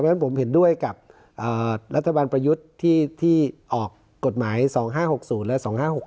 เพราะฉะนั้นผมเห็นด้วยกับรัฐบาลประยุทธ์ที่ออกกฎหมาย๒๕๖๐และ๒๕๖๖